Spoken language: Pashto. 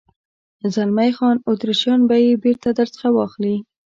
زلمی خان: اتریشیان به یې بېرته در څخه واخلي.